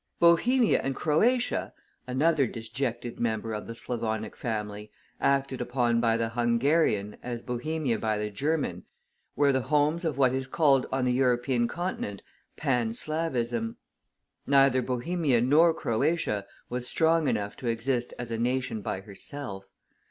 Bohemia and Croatia (another disjected member of the Slavonic family, acted upon by the Hungarian, as Bohemia by the German) were the homes of what is called on the European continent "Panslavism." Neither Bohemia nor Croatia was strong enough to exist as a nation by herself.